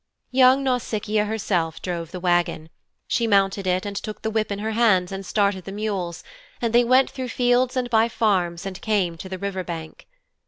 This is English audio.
Young Nausicaa herself drove the wagon. She mounted it and took the whip in her hands and started the mules, and they went through fields and by farms and came to the river bank.